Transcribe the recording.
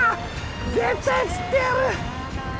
絶対釣ってやる！